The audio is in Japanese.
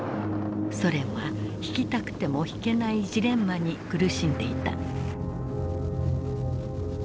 ソ連は引きたくても引けないジレンマに苦しんでいた。